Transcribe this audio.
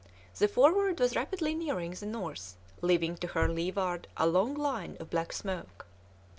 The Forward was rapidly nearing the north, leaving to her leeward a long line of black smoke.